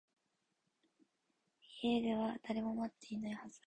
家では誰も待っていないはずだった